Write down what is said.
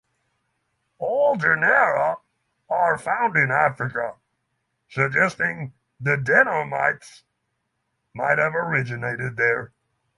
All genera are found in Africa, suggesting the deomyines may have originated there.